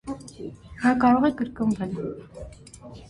Դա կարող է կրկնվել: